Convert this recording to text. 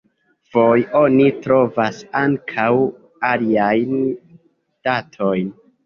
Foje oni trovas ankaŭ aliajn datojn.